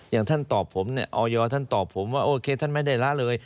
อย่างท่านตอบผมเนี่ยออยท่านตอบผมว่าโอเคท่านไม่ได้ละเลย